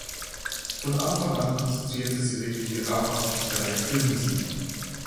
Von Anfang an konzentrierte sie sich hier auch auf den Bereich Filmmusik.